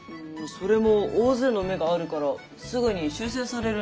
それも大勢の目があるからすぐに修正されるんじゃないかな。